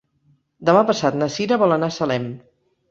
Demà passat na Sira vol anar a Salem.